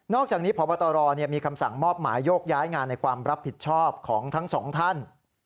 อกจากนี้พบตรมีคำสั่งมอบหมายโยกย้ายงานในความรับผิดชอบของทั้งสองท่าน